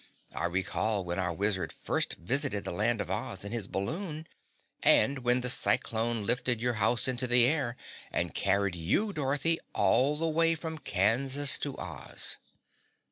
I recall when our Wizard first visited the Land of Oz in his balloon, and when the cyclone lifted your house into the air and carried you, Dorothy, all the way from Kansas to Oz."